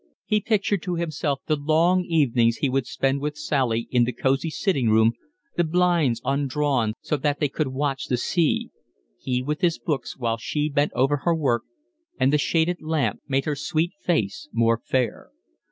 He pictured to himself the long evenings he would spend with Sally in the cosy sitting room, the blinds undrawn so that they could watch the sea; he with his books, while she bent over her work, and the shaded lamp made her sweet face more fair.